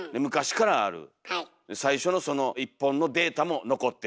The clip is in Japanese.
最初のその１本のデータも残ってる。